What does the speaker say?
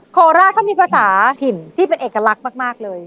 โคราชเขามีภาษาถิ่นที่เป็นเอกลักษณ์มากเลย